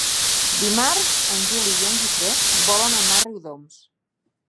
Dimarts en Juli i en Guifré volen anar a Riudoms.